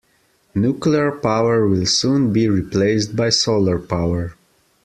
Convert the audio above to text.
Nuclear power will soon be replaced by solar power.